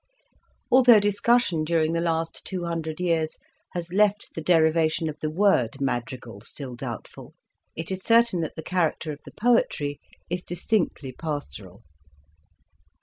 Although discussion during the last two hundred years has left the derivation of the word madrigal still doubtful, it is certain that the character of the poetry is distinctly pastoral.